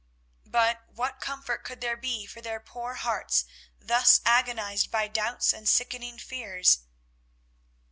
But what comfort could there be for their poor hearts thus agonised by doubts and sickening fears?